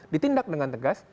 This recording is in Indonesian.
ditindak dengan tegas